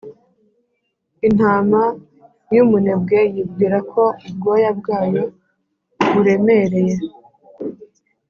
intama yumunebwe yibwira ko ubwoya bwayo buremereye.